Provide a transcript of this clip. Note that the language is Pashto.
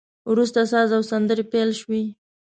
وروسته ساز او سندري پیل شوې.